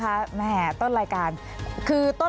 รัฐบาลนี้ใช้วิธีปล่อยให้จนมา๔ปีปีที่๕ค่อยมาแจกเงิน